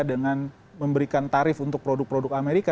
dengan memberikan tarif untuk produk produk amerika